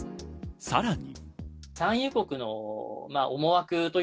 さらに。